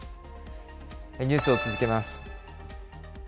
ニュースを続けます。